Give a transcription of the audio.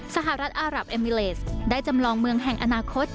สหรัฐอารับเอมิเลสได้จำลองเมืองแห่งอนาคต